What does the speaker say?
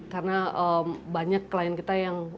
karena banyak klien kita yang